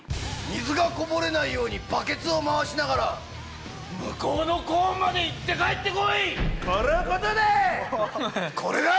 水がこぼれないように、バケツを回しながら、向こうのコーンまでこれのことだ！